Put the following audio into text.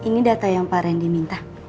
ini data yang pak randy minta